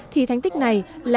thì thành tích này là